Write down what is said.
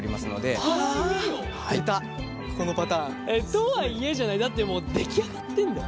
とはいえじゃない？だってもう出来上がってんだよ。